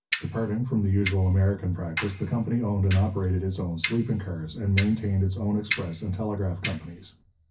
Departing from the usual American practice, the company owned and operated its own sleeping cars, and maintained its own express and telegraph companies.